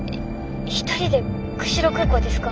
一人で釧路空港ですか？